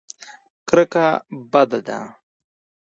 کرکه بده ده.